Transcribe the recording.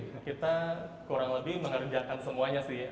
jadi kita kurang lebih mengerjakan semuanya sih